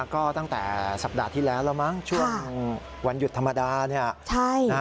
ก็ตั้งแต่สัปดาห์ที่แล้วแล้วมั้งช่วงวันหยุดธรรมดาเนี่ย